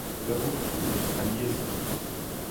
Labour fonnus ha liesseurt.